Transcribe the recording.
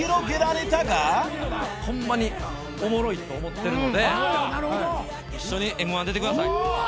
「ホンマにおもろいと思ってるので一緒にＭ−１出てください」